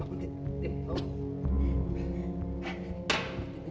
bangun tim tim